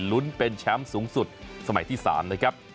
ลุ้นเป็นแชมป์สูงสุดสมัยที่๓นะครับ